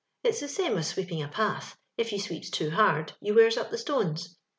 It's the soma AB^ sweeping a peith; If yotl sweepe too hard yoa wears np the sitoiiis.